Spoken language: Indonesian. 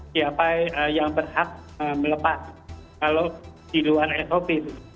siapa yang berhak melepas kalau di luar sop